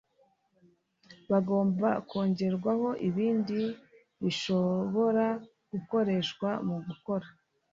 bagomba kongerwaho ibindi bishobora gukoreshwa mu gukora